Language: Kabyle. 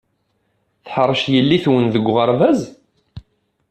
Teḥṛec yelli-twen deg uɣerbaz?